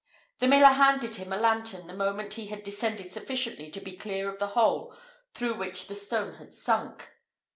The miller handed him a lantern the moment he had descended sufficiently to be clear of the hole through which the stone had sunk.